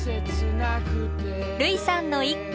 類さんの一句。